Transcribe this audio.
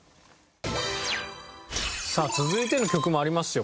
さあ続いての曲もありますよ。